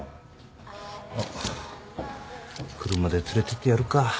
あっ車で連れてってやるか。